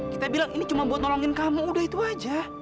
kita bilang ini cuma buat nolongin kamu udah itu aja